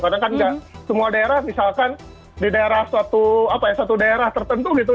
karena kan semua daerah misalkan di daerah satu apa ya satu daerah tertentu gitu